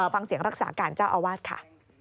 ฟังเสียงรักษาการเจ้าอาวาสค่ะ